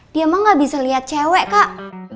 dia mah gak bisa liat cewek kak